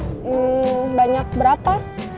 hmm banyak berapa